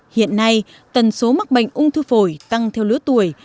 hiện nay tần số mắc bệnh ung thư phổi tăng theo lứa tuổi